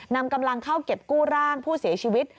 นำกำลังเข้าเก็บกู้ร่างผู้เสียชีวิต